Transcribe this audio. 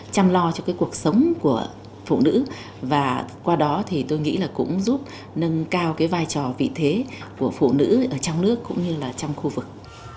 chăm lo cho cuộc sống của phụ nữ và qua đó tôi nghĩ là cũng giúp nâng cao vai trò vị thế của phụ nữ trong nước cũng như trong khu vực